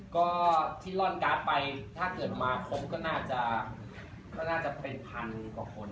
ก็ที่ร่อนการ์ดไปถ้าเกิดมาครบก็น่าจะเป็นพันกว่าคน